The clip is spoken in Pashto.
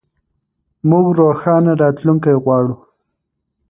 موږ روښانه راتلونکی غواړو.